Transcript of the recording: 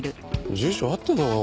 住所合ってんのかな？